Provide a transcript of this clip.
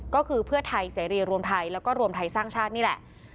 ก็คือเพื่อไทยเสรีรวมไทยแล้วก็รวมไทยสร้างชาตินี่แหละ